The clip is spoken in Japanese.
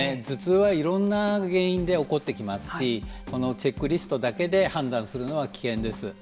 頭痛は、いろんな原因で起こってきますしこのチェックリストだけで判断するのは危険です。